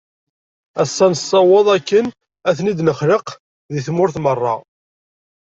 Ass-a, nessaweḍ akken ad ten-id-nexlaq di tmurt merra.